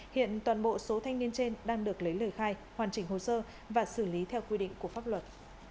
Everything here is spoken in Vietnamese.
hiện toàn bộ số thanh niên trên đang được lấy lời khai hoàn chỉnh hồ sơ và xử lý theo quy định của pháp luật